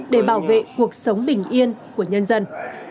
để bảo vệ cuộc sống bình yên của nhân dân